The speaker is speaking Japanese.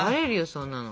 そんなの。